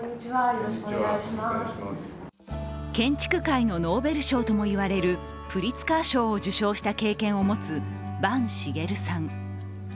建築界のノーベル賞とも言われるプリツカー賞を受賞した経験を持つ坂茂さん。